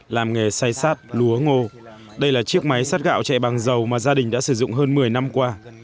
làm nghề xay sát lúa ngô đây là chiếc máy sắt gạo chạy bằng dầu mà gia đình đã sử dụng hơn một mươi năm qua